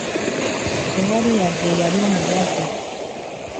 Tewali wadde eyali omulwadde